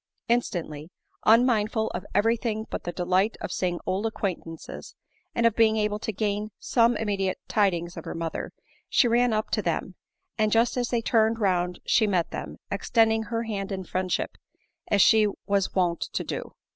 Instantly, unmindful of every thing but the delight of seeing old acquaintances, and of being able to gain some immediate tidings of her mother, she ran up to them ; and just as they turned round she met them, extending her hand in friendship, as she was wont to do.